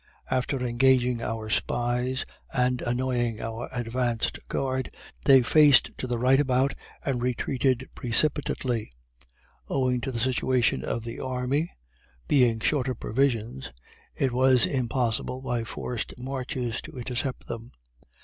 After engaging our spies, and annoying our advanced guard, they faced to the right about and retreated precipitately. Owing to the situation of the army (being short of provisions) it was impossible, by forced marches, to intercept them.